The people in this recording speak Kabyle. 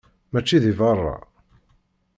Mačči di berra.